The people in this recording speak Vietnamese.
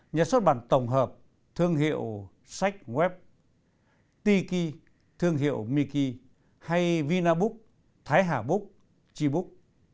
nhà xuất bản tổng hợp thương hiệu sách web tiki thương hiệu miki hay vinabook thái hà book chibook